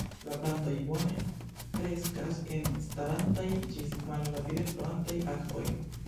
La plantoj bone kreskas en starantaj ĝis malrapide fluantaj akvoj.